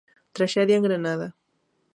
Traxedia en Granada.